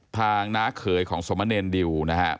ทางน้าเขยของสมเนรดิว